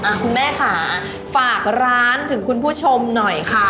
คุณแม่ค่ะฝากร้านถึงคุณผู้ชมหน่อยค่ะ